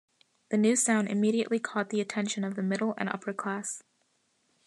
The new sound immediately caught the attention of the middle and upper class.